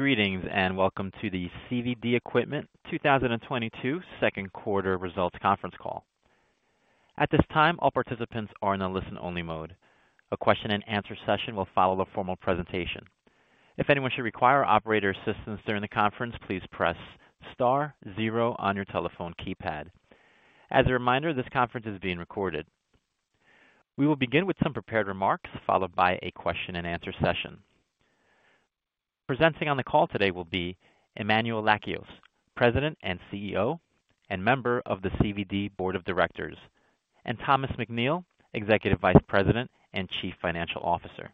Greetings, welcome to the CVD Equipment 2022 second quarter results conference call. At this time, all participants are in a listen-only mode. A question-and-answer session will follow the formal presentation. If anyone should require operator assistance during the conference, please press star zero on your telephone keypad. As a reminder, this conference is being recorded. We will begin with some prepared remarks, followed by a question-and-answer session. Presenting on the call today will be Emmanuel Lakios, President and CEO, and member of the CVD Board of Directors, and Thomas McNeill, Executive Vice President and Chief Financial Officer.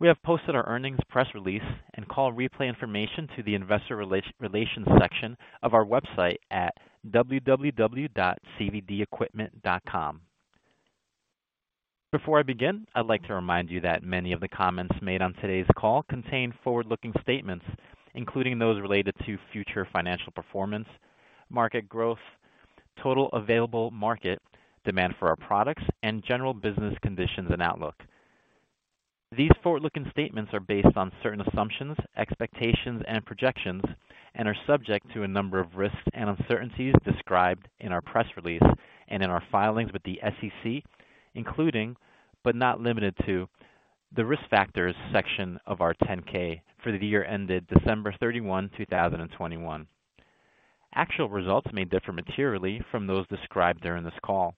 We have posted our earnings, press release and call replay information to the investor relations section of our website at www.cvdequipment.com. Before I begin, I'd like to remind you that many of the comments made on today's call contain forward-looking statements, including those related to future financial performance, market growth, total available market, demand for our products, and general business conditions and outlook. These forward-looking statements are based on certain assumptions, expectations, and projections and are subject to a number of risks and uncertainties described in our press release and in our filings with the SEC, including, but not limited to, the Risk Factors section of our 10-K for the year ended December 31, 2021. Actual results may differ materially from those described during this call.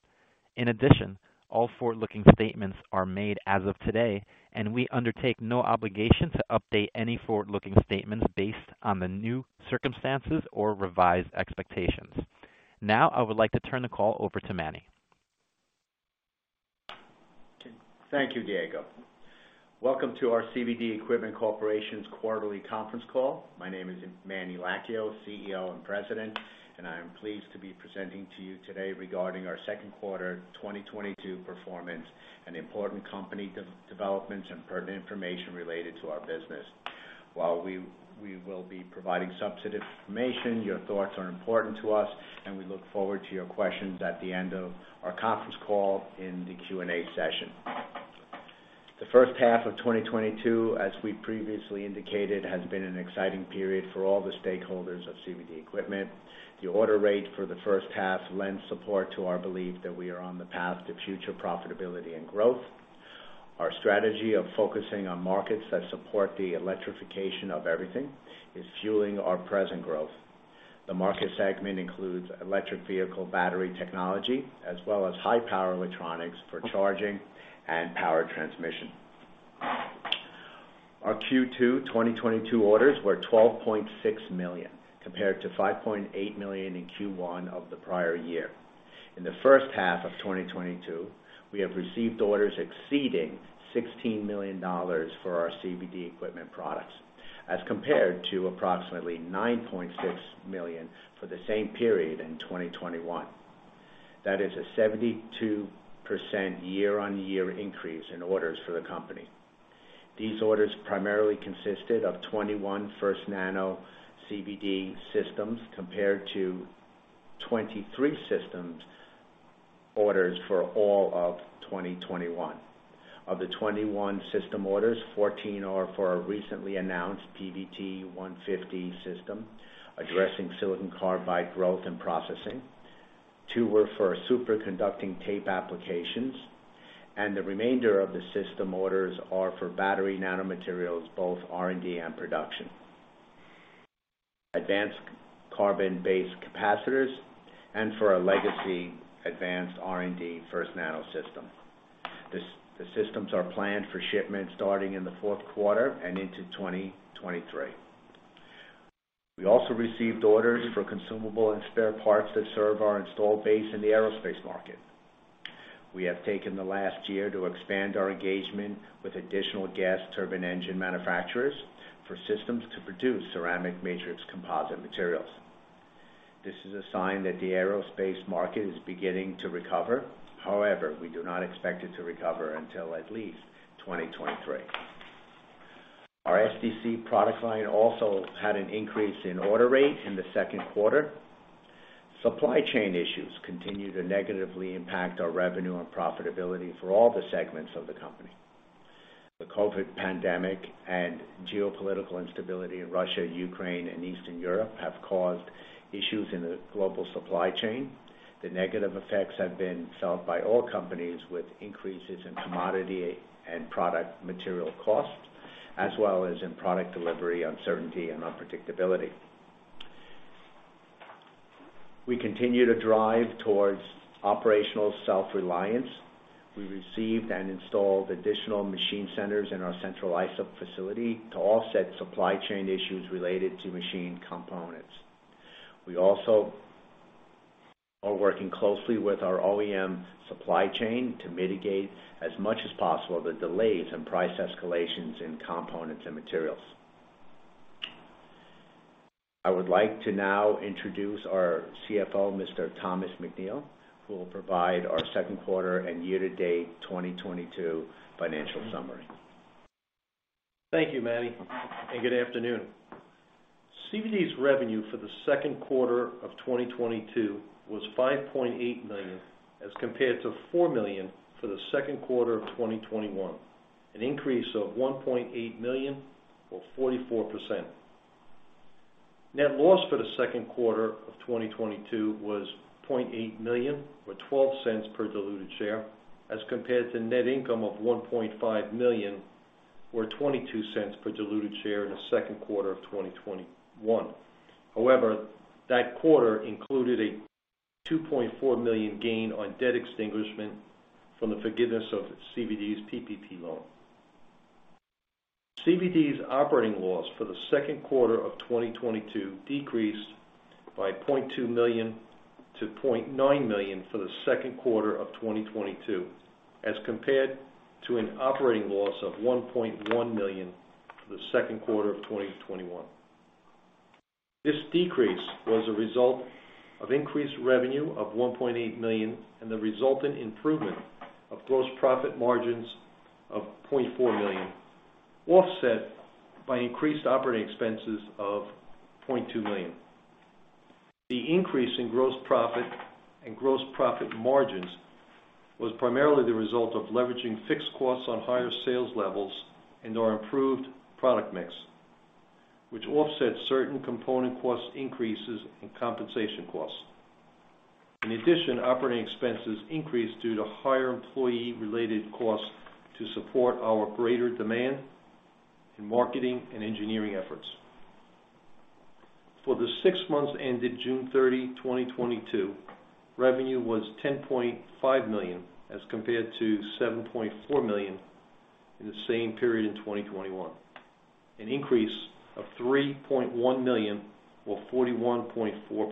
In addition, all forward-looking statements are made as of today, and we undertake no obligation to update any forward-looking statements based on the new circumstances or revised expectations. Now, I would like to turn the call over to Manny. Thank you, Diego. Welcome to our CVD Equipment Corporation's quarterly conference call. My name is Manny Lakios, CEO and President, and I am pleased to be presenting to you today regarding our second quarter 2022 performance and important company developments and pertinent information related to our business. While we will be providing substantive information, your thoughts are important to us, and we look forward to your questions at the end of our conference call in the Q&A session. The first half of 2022, as we previously indicated, has been an exciting period for all the stakeholders of CVD Equipment. The order rate for the first half lends support to our belief that we are on the path to future profitability and growth. Our strategy of focusing on markets that support the electrification of everything is fueling our present growth. The market segment includes electric vehicle battery technology, as well as high-power electronics for charging and power transmission. Our Q2 2022 orders were $12.6 million, compared to $5.8 million in Q1 of the prior year. In the first half of 2022, we have received orders exceeding $16 million for our CVD Equipment products, as compared to approximately $9.6 million for the same period in 2021. That is a 72% year-on-year increase in orders for the company. These orders primarily consisted of 21 FirstNano CVD systems, compared to 23 systems orders for all of 2021. Of the 21 system orders, 14 are for our recently announced PVT150 system, addressing silicon carbide growth and processing. Two were for superconducting tape applications, and the remainder of the system orders are for battery nanomaterials, both R&D and production, advanced carbon-based capacitors, and for our legacy advanced R&D FirstNano system. The systems are planned for shipment starting in the fourth quarter and into 2023. We also received orders for consumable and spare parts that serve our installed base in the aerospace market. We have taken the last year to expand our engagement with additional gas turbine engine manufacturers for systems to produce ceramic matrix composite materials. This is a sign that the aerospace market is beginning to recover. However, we do not expect it to recover until at least 2023. Our SDC product line also had an increase in order rate in the second quarter. Supply chain issues continue to negatively impact our revenue and profitability for all the segments of the company. The COVID pandemic and geopolitical instability in Russia, Ukraine, and Eastern Europe have caused issues in the global supply chain. The negative effects have been felt by all companies with increases in commodity and product material costs, as well as in product delivery, uncertainty, and unpredictability. We continue to drive towards operational self-reliance. We received and installed additional machine centers in our Central Islip facility to offset supply chain issues related to machine components. We also are working closely with our OEM supply chain to mitigate as much as possible the delays and price escalations in components and materials. I would like to now introduce our CFO, Mr. Thomas McNeill, who will provide our second quarter and year-to-date 2022 financial summary. Thank you, Manny, and good afternoon. CVD's revenue for the second quarter of 2022 was $5.8 million, as compared to $4 million for the second quarter of 2021, an increase of $1.8 million or 44%. Net loss for the second quarter of 2022 was $0.8 million, or $0.12 per diluted share, as compared to net income of $1.5 million or $0.22 per diluted share in the second quarter of 2021. However, that quarter included a $2.4 million gain on debt extinguishment from the forgiveness of CVD's PPP loan. CVD's operating loss for the second quarter of 2022 decreased by $0.2 million to $0.9 million for the second quarter of 2022, as compared to an operating loss of $1.1 million for the second quarter of 2021. This decrease was a result of increased revenue of $1.8 million and the resultant improvement of gross profit margins of $0.4 million, offset by increased operating expenses of $0.2 million. The increase in gross profit and gross profit margins was primarily the result of leveraging fixed costs on higher sales levels and our improved product mix, which offset certain component cost increases and compensation costs. In addition, operating expenses increased due to higher employee-related costs to support our greater demand in marketing and engineering efforts. For the six months ended June 30, 2022, revenue was $10.5 million as compared to $7.4 million in the same period in 2021, an increase of $3.1 million or 41.4%.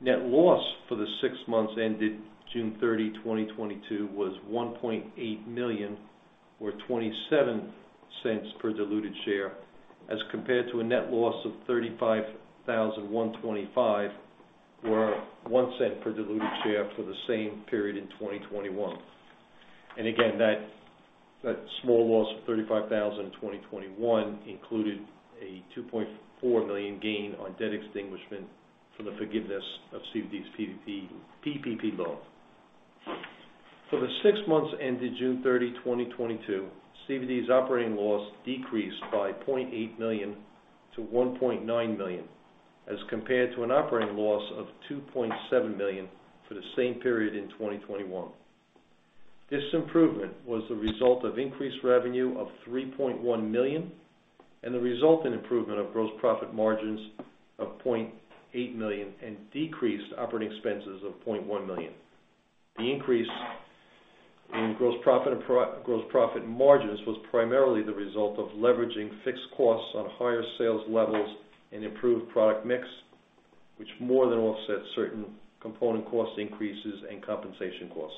Net loss for the six months ended June 30, 2022 was $1.8 million or $0.27 per diluted share, as compared to a net loss of $35,125 or $0.01 per diluted share for the same period in 2021. Again, that small loss of $35,000 in 2021 included a $2.4 million gain on debt extinguishment from the forgiveness of CVD's PPP loan. For the six months ended June 30, 2022, CVD's operating loss decreased by $0.8 million to $1.9 million, as compared to an operating loss of $2.7 million for the same period in 2021. This improvement was the result of increased revenue of $3.1 million and the resultant improvement of gross profit margins of $0.8 million and decreased operating expenses of $0.1 million. The increase in gross profit and gross profit margins was primarily the result of leveraging fixed costs on higher sales levels and improved product mix, which more than offset certain component cost increases and compensation costs.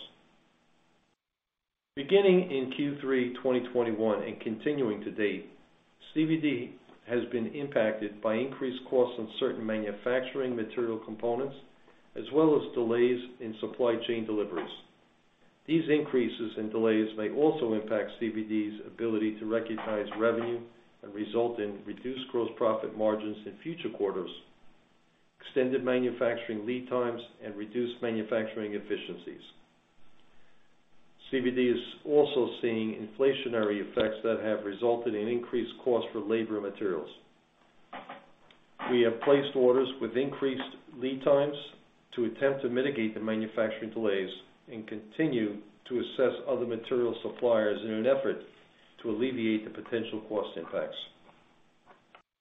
Beginning in Q3 2021 and continuing to date, CVD has been impacted by increased costs on certain manufacturing material components, as well as delays in supply chain deliveries. These increases and delays may also impact CVD's ability to recognize revenue and result in reduced gross profit margins in future quarters, extended manufacturing lead times, and reduced manufacturing efficiencies. CVD is also seeing inflationary effects that have resulted in increased costs for labor and materials. We have placed orders with increased lead times to attempt to mitigate the manufacturing delays and continue to assess other material suppliers in an effort to alleviate the potential cost impacts.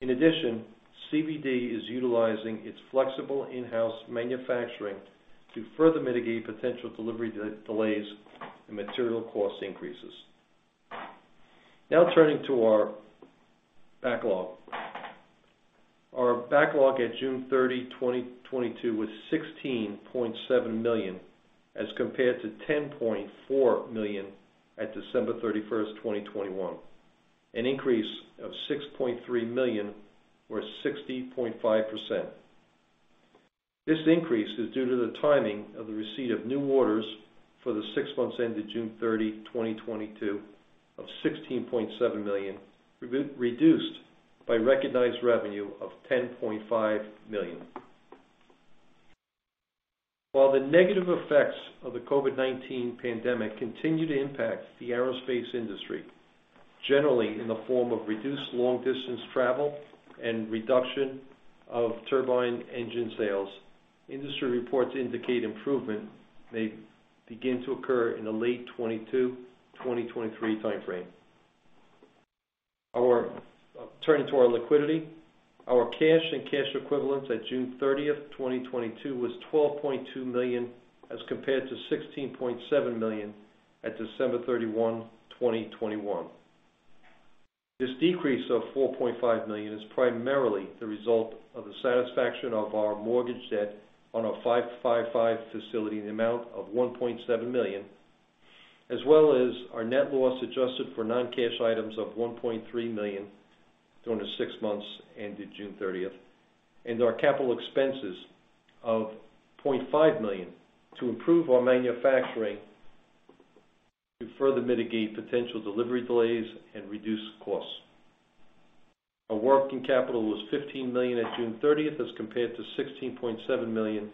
In addition, CVD is utilizing its flexible in-house manufacturing to further mitigate potential delivery delays and material cost increases. Now, turning to our backlog. Our backlog at June 30, 2022 was $16.7 million as compared to $10.4 million at December 31st, 2021, an increase of $6.3 million or 60.5%. This increase is due to the timing of the receipt of new orders for the six months ended June 30, 2022 of $16.7 million, reduced by recognized revenue of $10.5 million. While the negative effects of the COVID-19 pandemic continue to impact the aerospace industry, generally in the form of reduced long-distance travel and reduction of turbine engine sales, industry reports indicate improvement may begin to occur in the late 2022/2023 timeframe. Turning to our liquidity. Our cash and cash equivalents at June 30th, 2022 was $12.2 million as compared to $16.7 million at December 31, 2021. This decrease of $4.5 million is primarily the result of the satisfaction of our mortgage debt on our 555 facility in the amount of $1.7 million, as well as our net loss adjusted for non-cash items of $1.3 million during the six months ended June 30th, and our capital expenses of $0.5 million to improve our manufacturing. To further mitigate potential delivery delays and reduce costs. Our working capital was $15 million at June 30th as compared to $16.7 million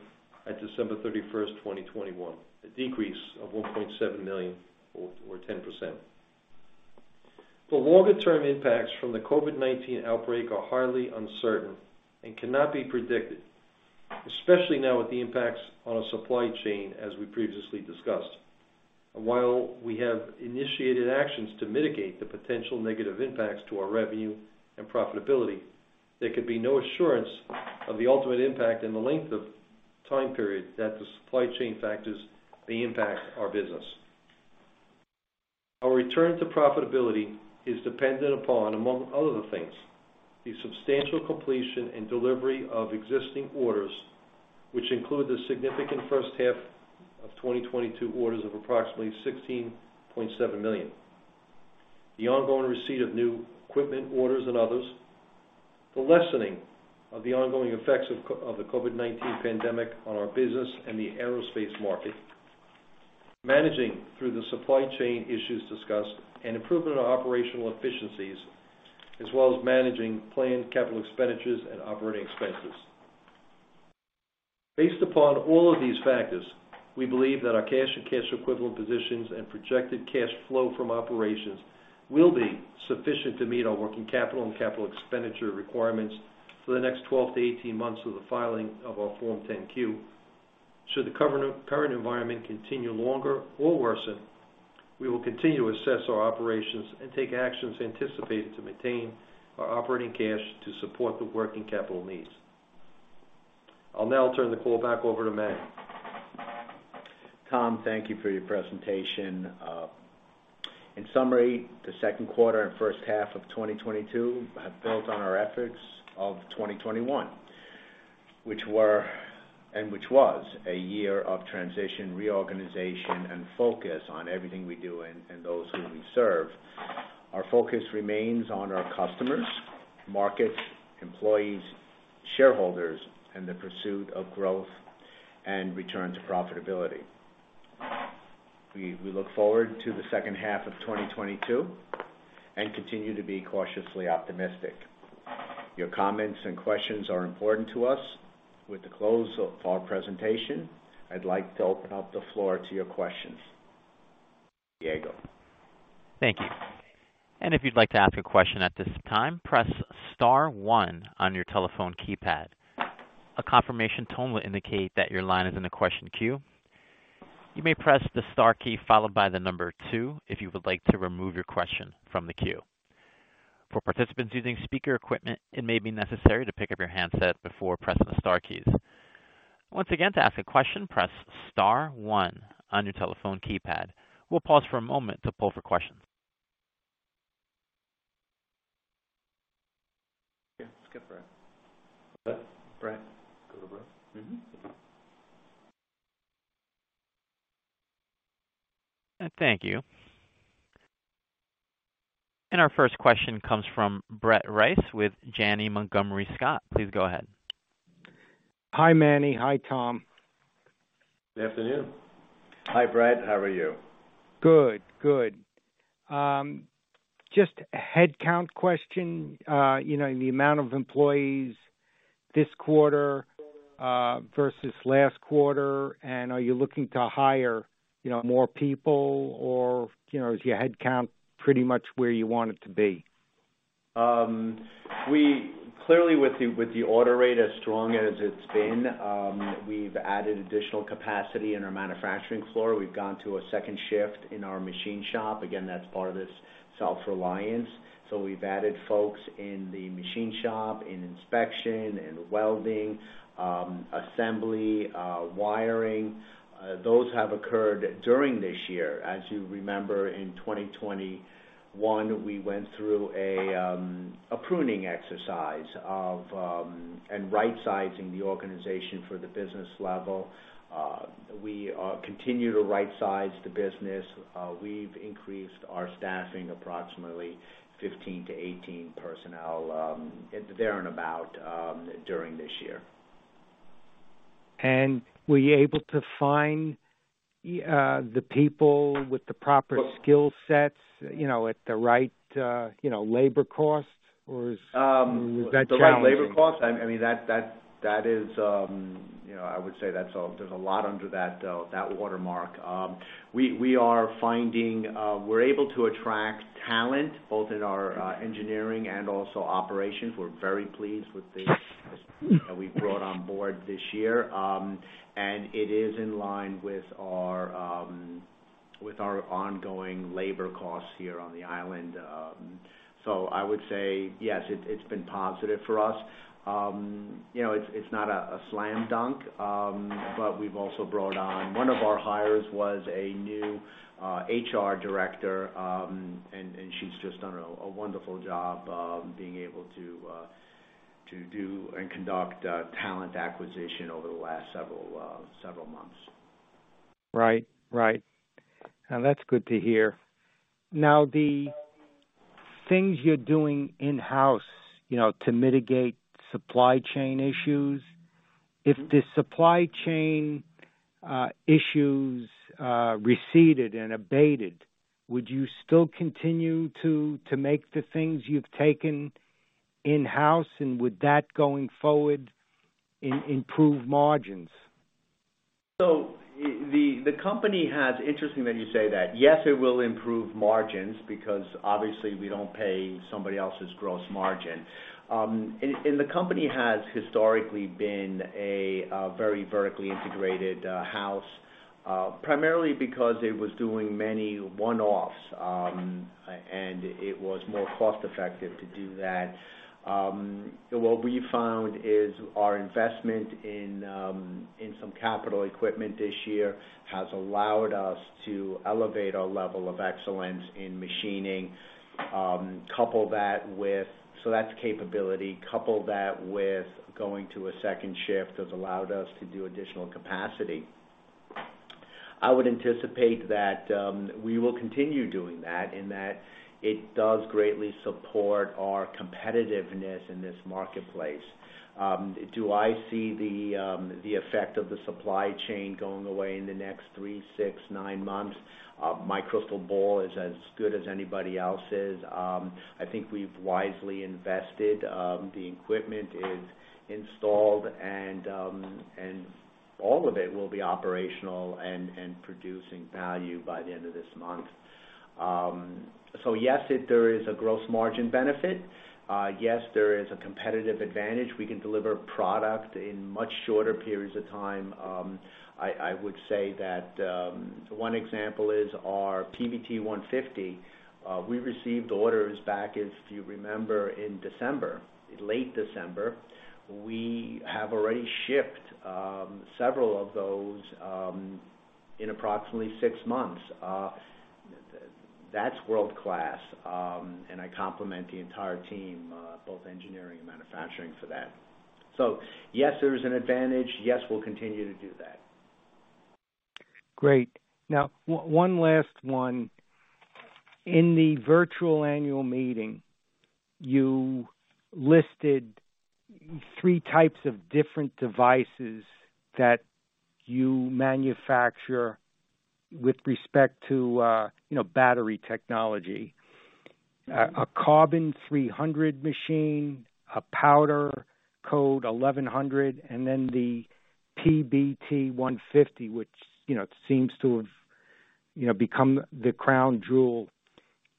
at December 31st, 2021, a decrease of $1.7 million or 10%. The longer term impacts from the COVID-19 outbreak are highly uncertain and cannot be predicted, especially now with the impacts on our supply chain, as we previously discussed. While we have initiated actions to mitigate the potential negative impacts to our revenue and profitability, there can be no assurance of the ultimate impact and the length of time period that the supply chain factors may impact our business. Our return to profitability is dependent upon, among other things, the substantial completion and delivery of existing orders, which include the significant first half of 2022 orders of approximately $16.7 million. The ongoing receipt of new equipment orders and others. The lessening of the ongoing effects of the COVID-19 pandemic on our business and the aerospace market. Managing through the supply chain issues discussed and improvement of operational efficiencies, as well as managing planned capital expenditures and operating expenses. Based upon all of these factors, we believe that our cash and cash equivalent positions and projected cash flow from operations will be sufficient to meet our working capital and capital expenditure requirements for the next 12-18 months of the filing of our Form 10-Q. Should the current environment continue longer or worsen, we will continue to assess our operations and take actions anticipated to maintain our operating cash to support the working capital needs. I'll now turn the call back over to Manny. Tom, thank you for your presentation. In summary, the second quarter and first half of 2022 have built on our efforts of 2021, which was a year of transition, reorganization, and focus on everything we do and those who we serve. Our focus remains on our customers, markets, employees, shareholders, and the pursuit of growth and return to profitability. We look forward to the second half of 2022 and continue to be cautiously optimistic. Your comments and questions are important to us. With the close of our presentation, I'd like to open up the floor to your questions. Diego. Thank you. If you'd like to ask a question at this time, press star one on your telephone keypad. A confirmation tone will indicate that your line is in the question queue. You may press the star key followed by the number two if you would like to remove your question from the queue. For participants using speaker equipment, it may be necessary to pick up your handset before pressing the star keys. Once again, to ask a question, press star one on your telephone keypad. We'll pause for a moment to pull for questions. Yeah, let's go for it. What? Brett. Go to Brett? Mm-hmm. Thank you. Our first question comes from Brett Rice with Janney Montgomery Scott. Please go ahead. Hi, Manny. Hi, Tom. Good afternoon. Hi, Brett. How are you? Good. Good. Just a headcount question. You know, the amount of employees this quarter versus last quarter, and are you looking to hire, you know, more people or, you know, is your headcount pretty much where you want it to be? Clearly, with the order rate as strong as it's been, we've added additional capacity in our manufacturing floor. We've gone to a second shift in our machine shop. Again, that's part of this self-reliance. We've added folks in the machine shop, in inspection, in welding, assembly, wiring. Those have occurred during this year. As you remember, in 2021, we went through a pruning exercise and rightsizing the organization for the business level. We continue to right-size the business. We've increased our staffing approximately 15-18 personnel there and about during this year. Were you able to find the people with the proper skill sets, you know, at the right, you know, labor cost, or is- Um- Was that challenging? The right labor cost? I mean, that is, you know, I would say that's a lot under that watermark. We are able to attract talent both in our engineering and also operations. We're very pleased with that we've brought on board this year. It is in line with our ongoing labor costs here on the island. I would say yes, it's been positive for us. You know, it's not a slam dunk, but we've also brought on. One of our hires was a new HR director. She's just done a wonderful job being able to do and conduct talent acquisition over the last several months. Right. Right. That's good to hear. Now, the things you're doing in-house, you know, to mitigate supply chain issues. If the supply chain issues receded and abated, would you still continue to make the things you've taken in-house, and would that, going forward, improve margins? Interesting that you say that. Yes, it will improve margins because obviously we don't pay somebody else's gross margin. The company has historically been a very vertically integrated house, primarily because it was doing many one-offs, and it was more cost-effective to do that. What we found is our investment in some capital equipment this year has allowed us to elevate our level of excellence in machining. That's capability. Couple that with going to a second shift has allowed us to do additional capacity. I would anticipate that we will continue doing that, in that it does greatly support our competitiveness in this marketplace. Do I see the effect of the supply chain going away in the next three, six, nine months? My crystal ball is as good as anybody else's. I think we've wisely invested. The equipment is installed, and all of it will be operational and producing value by the end of this month. Yes, there is a gross margin benefit. Yes, there is a competitive advantage. We can deliver product in much shorter periods of time. I would say that one example is our PVT150. We received orders back, if you remember, in December, late December. We have already shipped several of those in approximately six months. That's world-class, and I compliment the entire team both engineering and manufacturing for that. Yes, there's an advantage. Yes, we'll continue to do that. Great. Now, one last one. In the virtual annual meeting, you listed three types of different devices that you manufacture with respect to, you know, battery technology. A Carbon 300 machine, a PowderCoat1100, and then the PVT150, which, you know, seems to have, you know, become the crown jewel.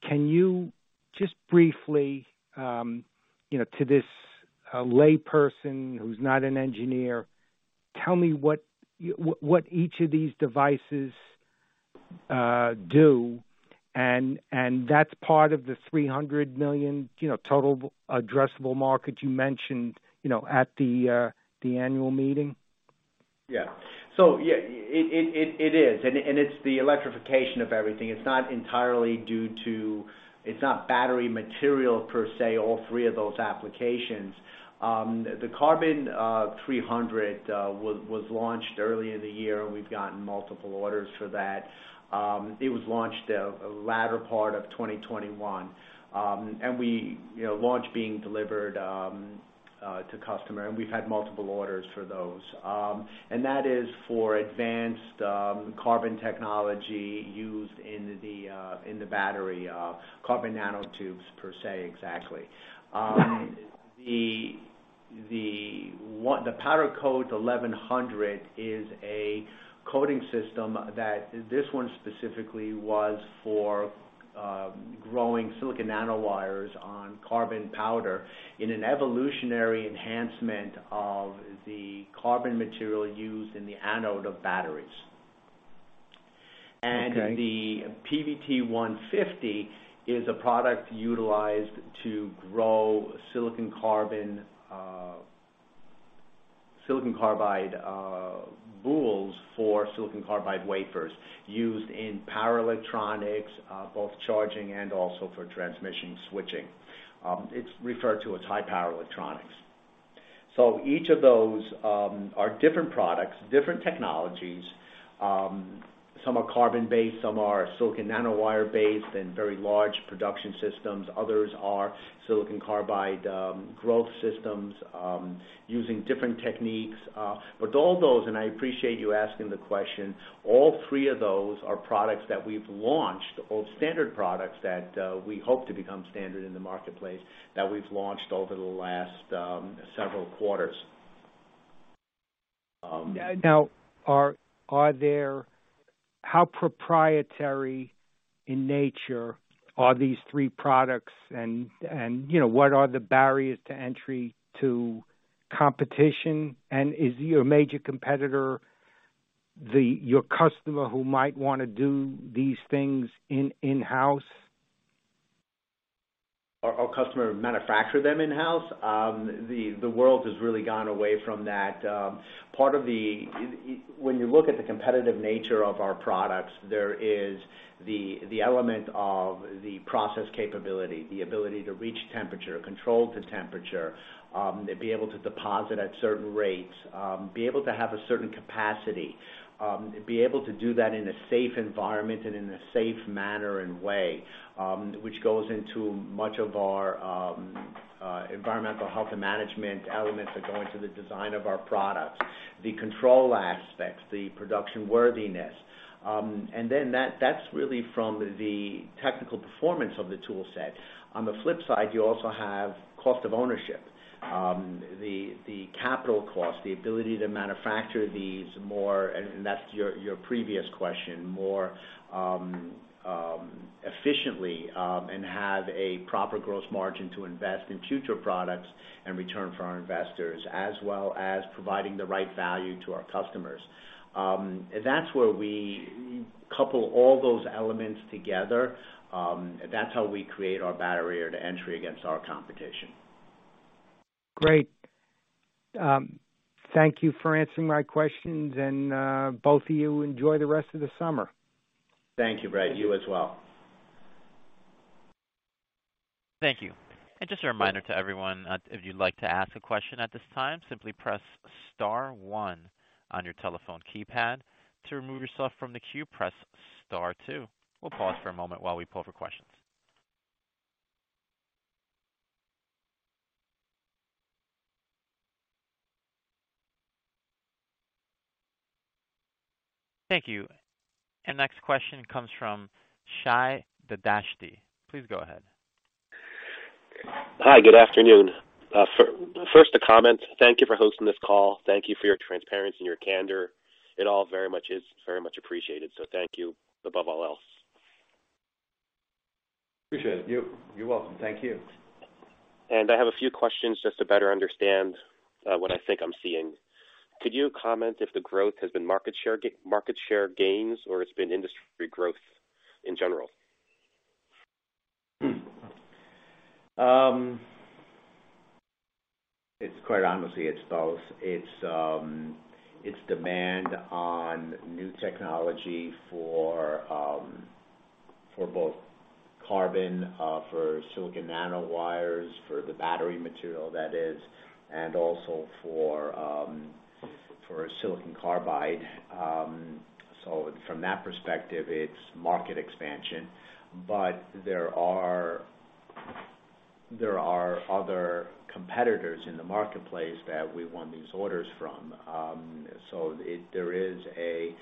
Can you just briefly, you know, to this layperson who's not an engineer, tell me what each of these devices do, and that's part of the $300 million, you know, total addressable market you mentioned, you know, at the annual meeting? Yeah, it is, and it's the electrification of everything. It's not entirely due to battery material per se, all three of those applications. The Carbon 300 was launched earlier in the year, and we've gotten multiple orders for that. It was launched latter part of 2021, and we, you know, launch being delivered to customer, and we've had multiple orders for those. That is for advanced carbon technology used in the battery, carbon nanotubes per se, exactly. The PowderCoat1100 is a coating system that this one specifically was for growing silicon nanowires on carbon powder in an evolutionary enhancement of the carbon material used in the anode of batteries. Okay. The PVT150 is a product utilized to grow silicon carbide boules for silicon carbide wafers used in power electronics, both charging and also for transmission switching. It's referred to as high-power electronics. Each of those are different products, different technologies. Some are carbon-based, some are silicon nanowire-based and very large production systems. Others are silicon carbide growth systems using different techniques. All those, and I appreciate you asking the question, all three of those are products that we've launched, all standard products that we hope to become standard in the marketplace that we've launched over the last several quarters. How proprietary in nature are these three products and, you know, what are the barriers to entry to competition? Is your major competitor your customer who might wanna do these things in-house? Our customer manufacture them in-house. The world has really gone away from that. When you look at the competitive nature of our products, there is the element of the process capability, the ability to reach temperature, control to temperature, to be able to deposit at certain rates, be able to have a certain capacity, be able to do that in a safe environment and in a safe manner and way, which goes into much of our environmental health and management elements that go into the design of our products. The control aspects, the production worthiness. That's really from the technical performance of the tool set. On the flip side, you also have cost of ownership. The capital cost, the ability to manufacture these more, and that's your previous question, more efficiently, and have a proper gross margin to invest in future products and return for our investors, as well as providing the right value to our customers. That's where we couple all those elements together, that's how we create our barrier to entry against our competition. Great. Thank you for answering my questions. Both of you enjoy the rest of the summer. Thank you, Brett. You as well. Thank you. Just a reminder to everyone, if you'd like to ask a question at this time, simply press star one on your telephone keypad. To remove yourself from the queue, press star two. We'll pause for a moment while we pull for questions. Thank you. Next question comes from Shai Dardashti. Please go ahead. Hi, good afternoon. First a comment. Thank you for hosting this call. Thank you for your transparency and your candor. It all very much appreciated. Thank you above all else. Appreciate it. You're welcome. Thank you. I have a few questions just to better understand what I think I'm seeing. Could you comment if the growth has been market share gains or it's been industry growth in general? It's quite honestly, it's both. It's demand on new technology for both carbon for silicon nanowires, for the battery material that is, and also for silicon carbide. From that perspective, it's market expansion. There are other competitors in the marketplace that we won these orders from. There is a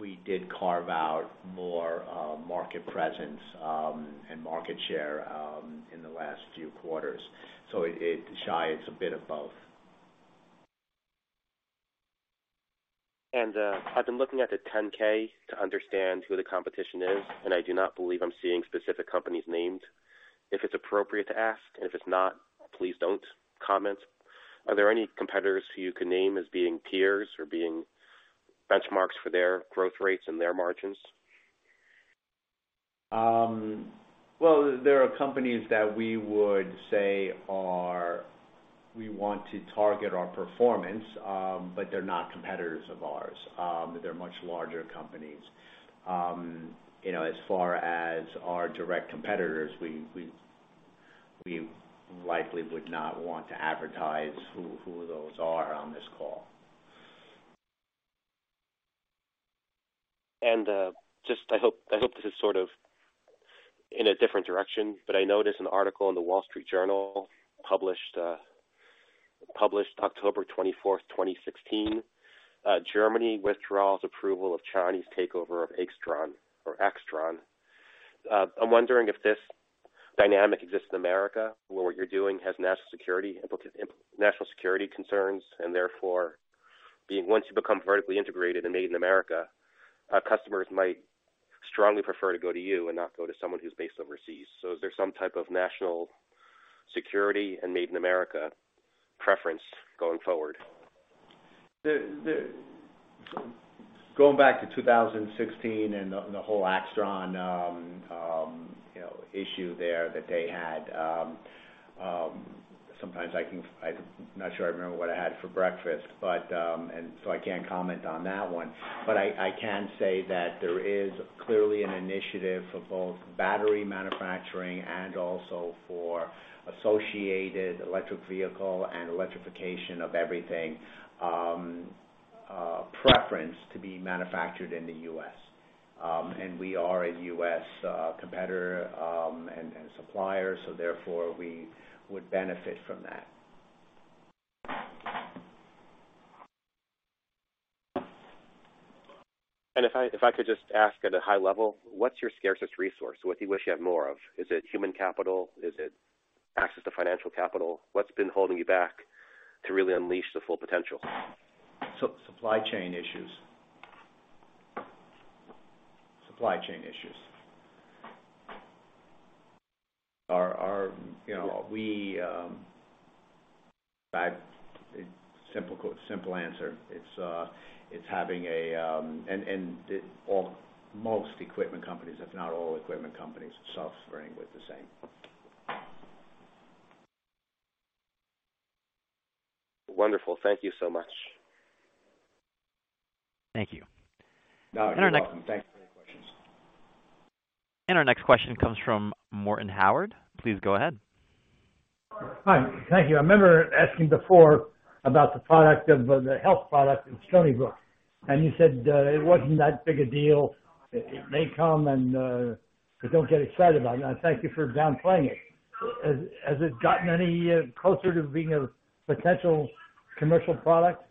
we did carve out more market presence and market share in the last few quarters. Shai, it's a bit of both. I've been looking at the 10-K to understand who the competition is, and I do not believe I'm seeing specific companies named. If it's appropriate to ask, and if it's not, please don't comment. Are there any competitors who you can name as being peers or being benchmarks for their growth rates and their margins? Well, there are companies that we want to target our performance, but they're not competitors of ours. They're much larger companies. You know, as far as our direct competitors, we likely would not want to advertise who those are on this call. I hope this is sort of in a different direction, but I noticed an article in The Wall Street Journal published October 24th, 2016, Germany withdraws approval of Chinese takeover of Aixtron. I'm wondering if this dynamic exists in America, where what you're doing has national security concerns, and therefore, once you become vertically integrated and made in America, customers might strongly prefer to go to you and not go to someone who's based overseas. Is there some type of national security and Made in America preference going forward? Going back to 2016 and the whole Aixtron you know issue there that they had, sometimes I can. I'm not sure I remember what I had for breakfast, but I can't comment on that one. I can say that there is clearly an initiative for both battery manufacturing and also for associated electric vehicle and electrification of everything, preference to be manufactured in the U.S. We are a U.S. competitor and supplier, so therefore we would benefit from that. If I could just ask at a high level, what's your scarcest resource? What do you wish you had more of? Is it human capital? Is it access to financial capital? What's been holding you back to really unleash the full potential? Supply chain issues. Our, you know, we simple answer. Most equipment companies, if not all equipment companies, are suffering with the same. Wonderful. Thank you so much. Thank you. No, you're welcome. Thanks for the questions. Our next question comes from Morton Howard. Please go ahead. Hi. Thank you. I remember asking before about the product of the health product in Stony Brook, and you said it wasn't that big a deal. It may come and, but don't get excited about it. I thank you for downplaying it. Has it gotten any closer to being a potential commercial product?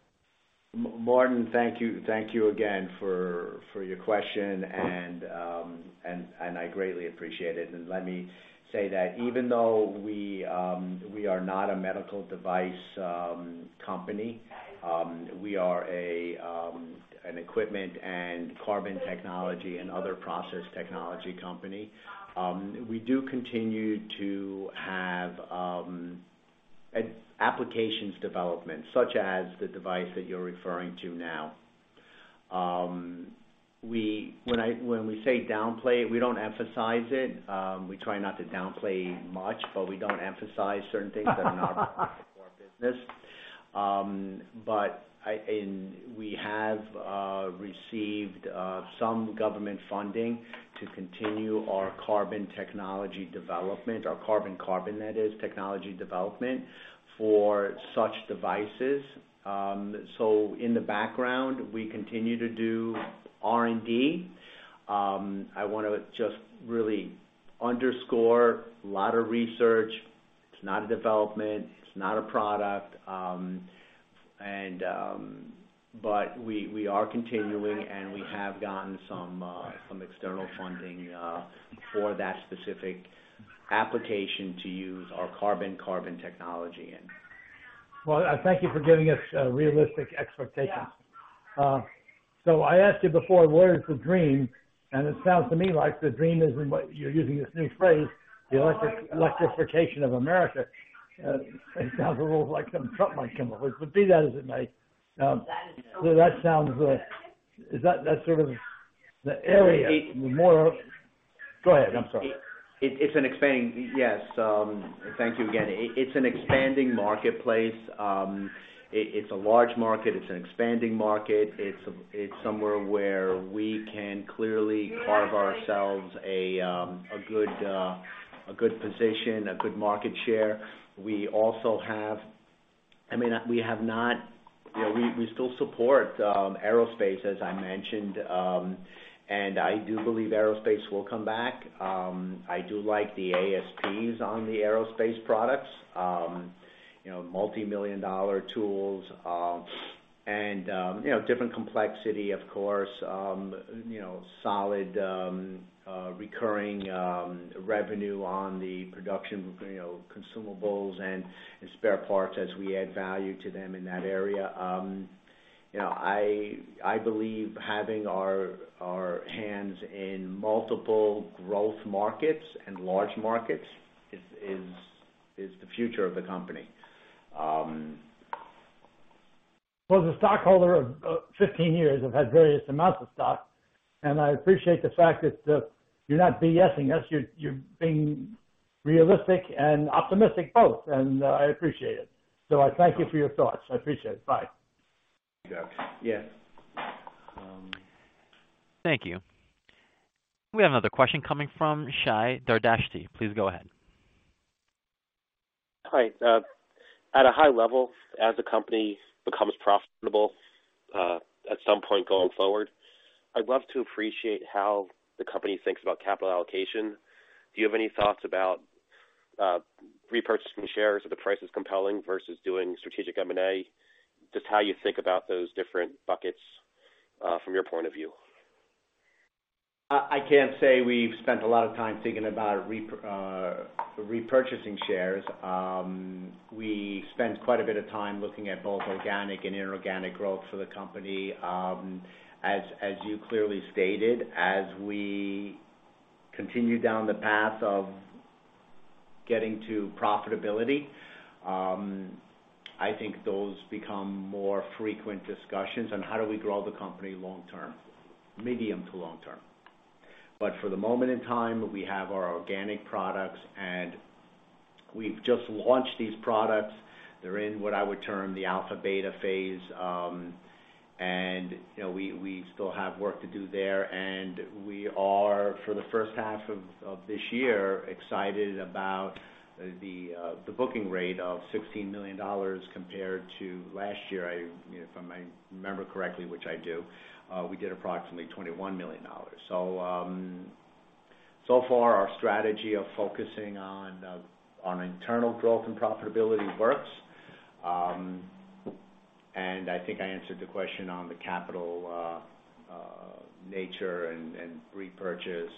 Morton, thank you. Thank you again for your question and I greatly appreciate it. Let me say that even though we are not a medical device company, we are an equipment and carbon technology and other process technology company. We do continue to have applications development such as the device that you're referring to now. When we say downplay, we don't emphasize it. We try not to downplay much, but we don't emphasize certain things that are not for our business. We have received some government funding to continue our carbon technology development or carbon-carbon, that is, technology development for such devices. In the background, we continue to do R&D. I wanna just really underscore a lot of research. It's not a development, it's not a product. We are continuing, and we have gotten some external funding for that specific application to use our carbon-carbon technology. Well, I thank you for giving us a realistic expectation. I asked you before, what is the dream? It sounds to me like the dream is in what you're using this new phrase, the electrification of America. It sounds a little like something Trump might come up with. Be that as it may, that sounds. Is that the sort of area more? Go ahead, I'm sorry. Yes. Thank you again. It's an expanding marketplace. It's a large market. It's an expanding market. It's somewhere where we can clearly carve ourselves a good position, a good market share. You know, we still support aerospace, as I mentioned. I do believe aerospace will come back. I do like the ASPs on the aerospace products. You know, multi-million dollar tools, and you know, different complexity of course. You know, solid recurring revenue on the production, you know, consumables and spare parts as we add value to them in that area. You know, I believe having our hands in multiple growth markets and large markets is the future of the company. Well, as a stockholder of 15 years, I've had various amounts of stock, and I appreciate the fact that you're not BSing us. You're being realistic and optimistic both, and I appreciate it. I thank you for your thoughts. I appreciate it. Bye. Yes. Thank you. We have another question coming from Shai Dardashti. Please go ahead. Hi. At a high level, as the company becomes profitable, at some point going forward, I'd love to appreciate how the company thinks about capital allocation. Do you have any thoughts about repurchasing shares if the price is compelling versus doing strategic M&A? Just how you think about those different buckets from your point of view. I can't say we've spent a lot of time thinking about repurchasing shares. We spent quite a bit of time looking at both organic and inorganic growth for the company. As you clearly stated, as we continue down the path of getting to profitability, I think those become more frequent discussions on how do we grow the company long-term, medium to long-term. But for the moment in time, we have our organic products, and we've just launched these products. They're in what I would term the alpha/beta phase. You know, we still have work to do there. We are, for the first half of this year, excited about the booking rate of $16 million compared to last year. You know, if I remember correctly, which I do, we did approximately $21 million. So far our strategy of focusing on internal growth and profitability works. I think I answered the question on the capital, nature and repurchase,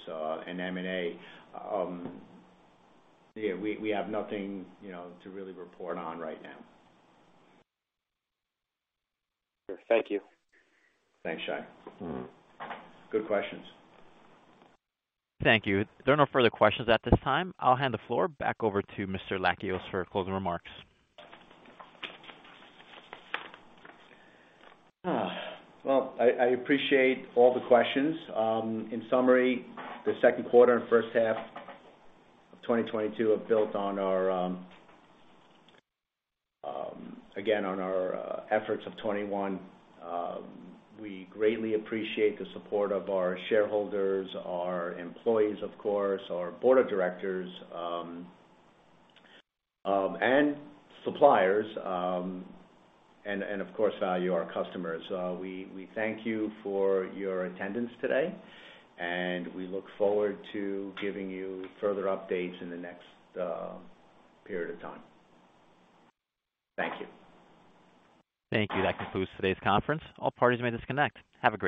and M&A. Yeah, we have nothing, you know, to really report on right now. Thank you. Thanks, Shai. Good questions. Thank you. There are no further questions at this time. I'll hand the floor back over to Lakios for closing remarks. Well, I appreciate all the questions. In summary, the second quarter and first half of 2022 have built again on our efforts of 2021. We greatly appreciate the support of our shareholders, our employees, of course, our board of directors, and suppliers, and of course, our customers. We thank you for your attendance today, and we look forward to giving you further updates in the next period of time. Thank you. Thank you. That concludes today's conference. All parties may disconnect. Have a great day.